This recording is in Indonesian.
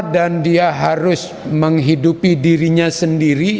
dan dia harus menghidupi dirinya sendiri